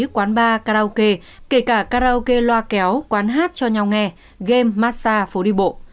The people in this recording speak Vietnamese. quán bar karaoke kể cả karaoke loa kéo quán hát cho nhau nghe game massage phố đi bộ